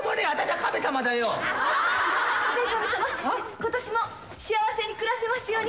ことしも幸せに暮らせますように。